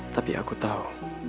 tapi aku tahu